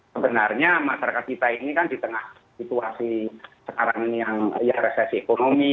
sebenarnya masyarakat kita ini kan di tengah situasi sekarang ini yang ya resesi ekonomi